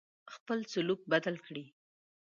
خپل سلوک بدل کړی.